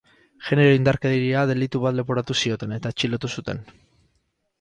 Genero indarkeria delitu bat leporatu zioten, eta atxilotu zuten.